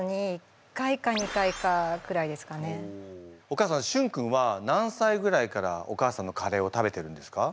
お母さんしゅん君は何歳ぐらいからお母さんのカレーを食べてるんですか？